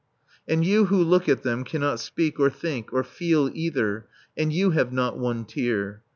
And you who look at them cannot speak or think or feel either, and you have not one tear.